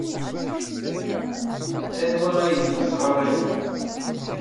Anwa ay kem-yessɣarayen?